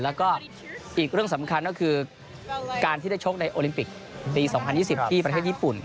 แล้วก็อีกเรื่องสำคัญก็คือการที่ได้ชกในโอลิมปิกปี๒๐๒๐ที่ประเทศญี่ปุ่น